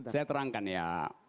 saya terangkan ya